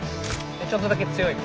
ちょっとだけ強い顔。